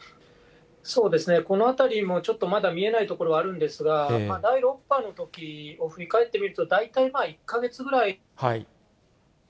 そうですね、このあたりもちょっとまだ見えないところはあるんですが、第６波のときを振り返ってみると、大体１か月ぐらい。